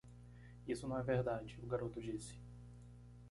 "Isso não é verdade,?" o garoto disse.